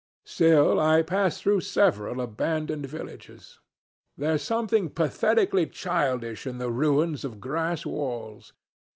Still I passed through several abandoned villages. There's something pathetically childish in the ruins of grass walls.